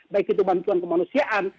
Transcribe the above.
baik itu bantuan kemanusiaan